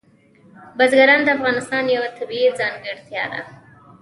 بزګان د افغانستان یوه طبیعي ځانګړتیا ده.